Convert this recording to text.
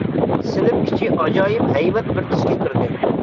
سىنىپ ئىچى ئاجايىپ ھەيۋەت بىر تۈسكە كىردى.